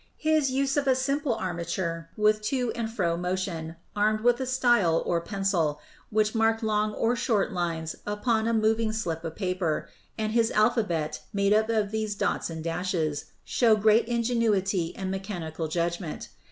His use of a simple armature with to and fro motion, armed with a style, or pencil, which marked long or short lines upon a moving slip of paper, and his alphabet made up of these dots and dashes, show great ingenuity and mechanical judgment.